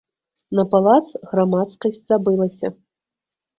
На палац грамадскасць забылася.